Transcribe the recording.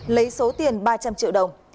lấy số tiền ba trăm linh triệu đồng